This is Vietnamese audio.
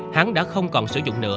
hắn đã không còn sử dụng nữa